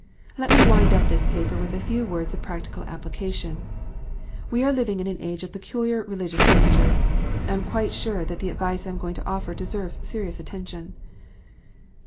Let me wind up this paper with a few words of practical application. We are living in an age of peculiar religious danger. I am quite sure that the advice I am going to offer deserves serious attention.